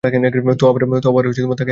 তো আবার তাকে হারিয়ে ফেললেন?